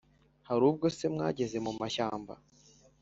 hari ubwo se mwageze mu mashyamba